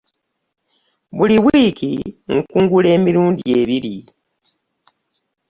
Buli wiiki nkungula emirundi ebiri